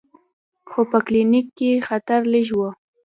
خو په کلینیک کې خطر لږ و.